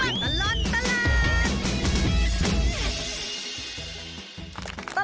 ชั่วตลอดตลาด